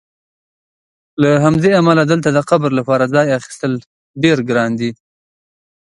له همدې امله دلته د قبر لپاره ځای اخیستل ډېر ګران دي.